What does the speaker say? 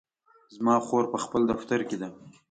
زما خور په خپل دفتر کې ده